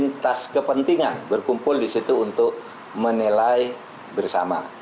ini tas kepentingan berkumpul di situ untuk menilai bersama